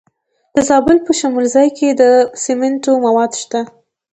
د زابل په شمولزای کې د سمنټو مواد شته.